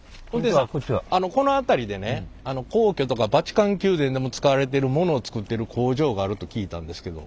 この辺りでね皇居とかバチカン宮殿でも使われてるものを作ってる工場があると聞いたんですけど。